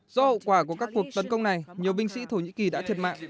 do hậu quả của các cuộc tấn công này nhiều binh sĩ thổ nhĩ kỳ đã thiệt mạng